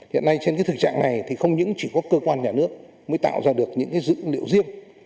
hiện nay trên cái thực trạng này thì không những chỉ có cơ quan nhà nước mới tạo ra được những dữ liệu riêng